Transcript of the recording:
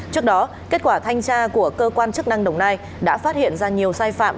trước đó kết quả thanh tra của cơ quan chức năng đồng nai đã phát hiện ra nhiều sai phạm